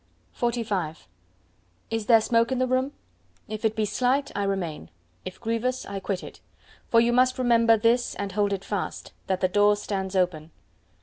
XLV Is there smoke in the room? If it be slight, I remain; if grievous, I quit it. For you must remember this and hold it fast, that the door stands open.